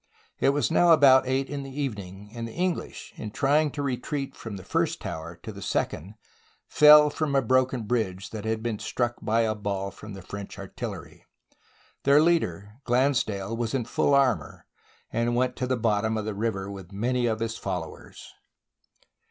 It was now about eight in the evening, and the English, in trying to retreat from the first tower to the second, fell from a broken bridge, that had been struck by a ball from the French artillery. Their leader, Glansdale, was in full armour, and went to the bottom of the river with many of his followers.